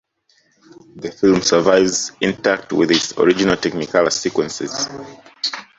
The film survives intact with its original Technicolor sequences.